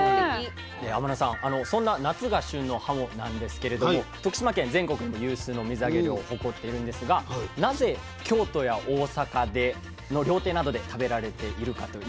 天野さんそんな夏が旬のはもなんですけれども徳島県全国でも有数の水揚げ量を誇っているんですがなぜ京都や大阪の料亭などで食べられているかといいますと。